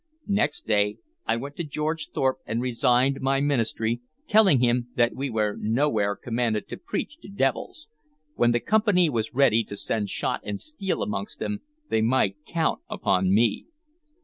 Next day I went to George Thorpe and resigned my ministry, telling him that we were nowhere commanded to preach to devils; when the Company was ready to send shot and steel amongst them, they might count upon me.